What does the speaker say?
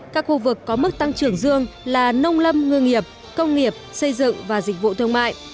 các khu vực có mức tăng trưởng dương là nông lâm ngư nghiệp công nghiệp xây dựng và dịch vụ thương mại